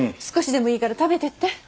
少しでもいいから食べていって。